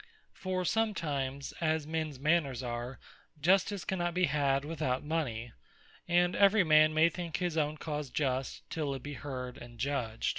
For sometimes, (as mens manners are,) Justice cannot be had without mony; and every man may think his own cause just, till it be heard, and judged.